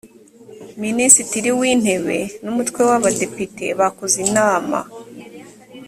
minisitiri w intebe nu m ‘umutwe w abadepite bakozinama.